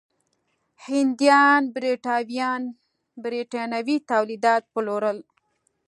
هندیان برېټانوي تولیدات پلورل.